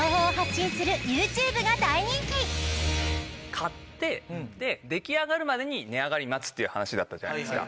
買って出来上がるまでに値上がり待つっていう話だったじゃないですか。